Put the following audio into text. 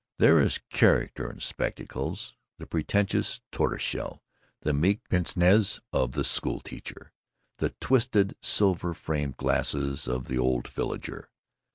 There is character in spectacles the pretentious tortoise shell, the meek pince nez of the school teacher, the twisted silver framed glasses of the old villager.